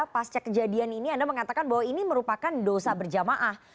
pasca kejadian ini anda mengatakan bahwa ini merupakan dosa berjamaah